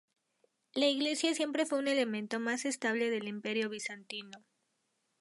La iglesia siempre fue el elemento más estable del Imperio bizantino.